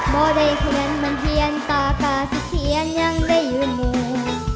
บ่ได้เขียนมันเทียนตากาศเขียนยังได้อยู่หมู่